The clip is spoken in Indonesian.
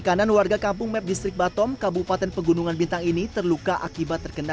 kanan warga kampung mep distrik batom kabupaten pegunungan bintang ini terluka akibat terkena